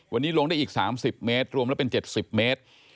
วันนี้ลงได้อีกสามสิบเมตรรวมแล้วเป็นเจ็ดสิบเมตร